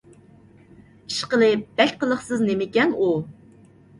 ئىشقىلىپ، بەك قىلىقسىز نېمىكەن ئۇ!